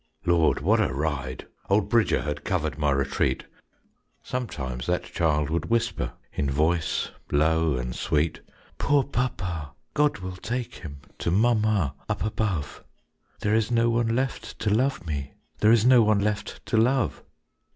Lord, what a ride! Old Bridger Had covered my retreat; Sometimes that child would whisper In voice low and sweet, "Poor Papa, God will take him To Mama up above; There is no one left to love me, There is no one left to love."